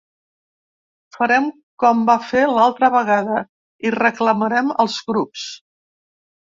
Farem com vam fer l’altra vegada i reclamarem els grups.